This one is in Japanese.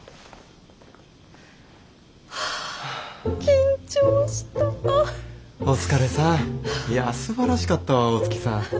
お疲れさん。